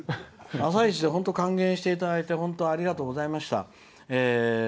「あさイチ」で本当に歓迎していただいて本当にありがとうございました。